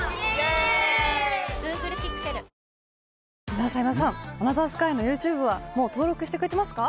今田さん今田さん『アナザースカイ』のＹｏｕＴｕｂｅはもう登録してくれてますか？